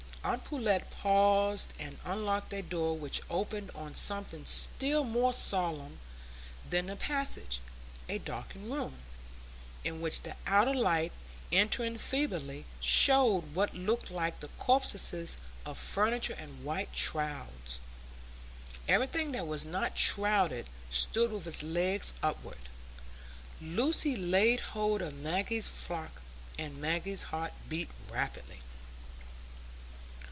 Aunt Pullet paused and unlocked a door which opened on something still more solemn than the passage,—a darkened room, in which the outer light, entering feebly, showed what looked like the corpses of furniture in white shrouds. Everything that was not shrouded stood with its legs upward. Lucy laid hold of Maggie's frock, and Maggie's heart beat rapidly.